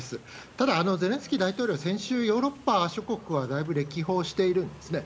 ただ、ゼレンスキー大統領、先週、ヨーロッパ諸国はだいぶ歴訪しているんですね。